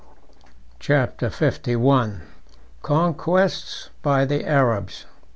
] Chapter LI: Conquests By The Arabs.